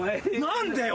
何でよ？